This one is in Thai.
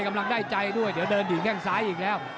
แข่งซ้ายอีกแล้ว